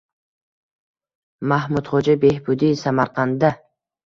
“Mahmudxo‘ja Behbudiy” – Samarqandda